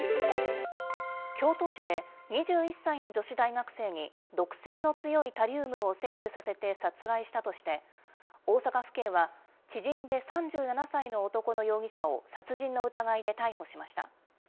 京都市で２１歳の女子大学生に毒性の強いタリウムを摂取させて殺害したとして、大阪府警は知人で３７歳の男の容疑者を殺人の疑いで逮捕しました。